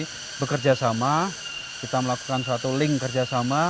jadi bekerja sama kita melakukan satu link kerja sama